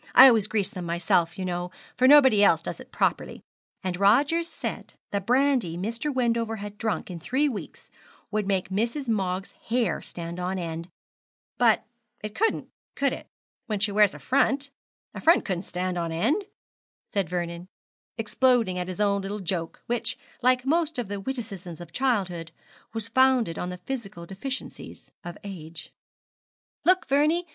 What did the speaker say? I always grease them myself, you know, for nobody else does it properly; and Rogers said the brandy Mr. Wendover had drunk in three weeks would make Mrs. Moggs' hair stand on end; but it couldn't, could it? when she wears a front. A front couldn't stand on end,' said Vernon, exploding at his own small joke, which, like most of the witticisms of childhood, was founded on the physical deficiencies of age. 'Look, Vernie!